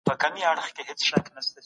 کمپيوټر د ټرانسپورت مرسته کوي.